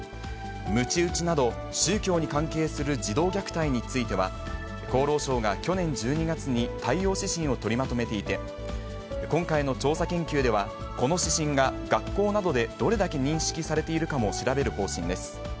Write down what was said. むち打ちなど宗教に関係する児童虐待については、厚労省が去年１２月に対応指針を取りまとめていて、今回の調査研究では、この指針が学校などでどれだけ認識されているかも調べる方針です。